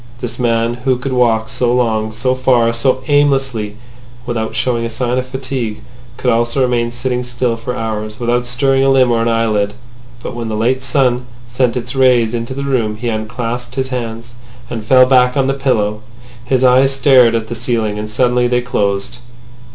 This man who could walk so long, so far, so aimlessly, without showing a sign of fatigue, could also remain sitting still for hours without stirring a limb or an eyelid. But when the late sun sent its rays into the room he unclasped his hands, and fell back on the pillow. His eyes stared at the ceiling. And suddenly they closed.